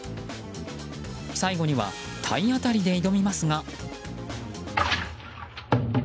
最後には体当たりで挑みますが。